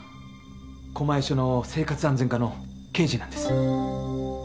狛江署の生活安全課の刑事なんです。